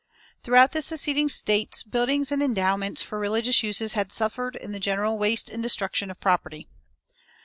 Throughout the seceding States buildings and endowments for religious uses had suffered in the general waste and destruction of property.